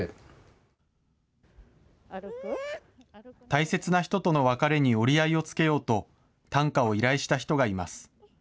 大切な人との別れに折り合いをつけようと、短歌を依頼した人がいます。